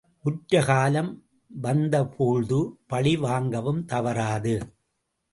உற்ற காலம் வந்தபோழ்து பழிவாங்கவும் தவறாது.